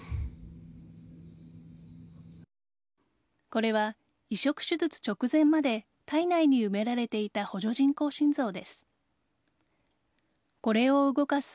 これは移植手術直前まで体内に埋められていた補助人工心臓です。